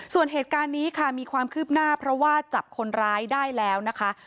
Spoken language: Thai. ส่วนเหตุการณ์นี้ค่ะมีความคืบหน้าเพราะว่าจับคนร้ายได้แล้วนะคะ